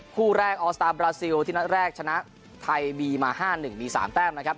คู่แรกออสตาร์บราซิลที่นัดแรกชนะไทยบีมา๕๑มี๓แต้มนะครับ